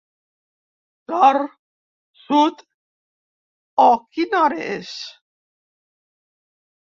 Nord, sud o quina hora és?